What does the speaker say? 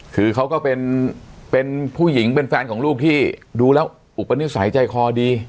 คือเขาก็เป็นผู้หญิงเป็นแฟนของลูกที่ดูแล้วอุปนิสัยใจคอดี